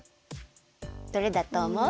どれだとおもう？